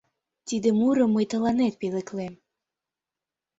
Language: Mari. Тиде мурым мый тыланет пӧлеклем.